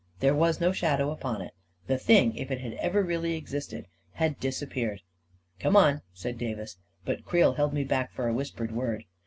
There was no shadow upon it. The Thing — if it had ever really existed — had disappeared. " Come on," said Davis ; but Creel held me back for a whispered word.